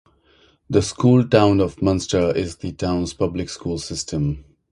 The School Town of Munster is the town's public school system.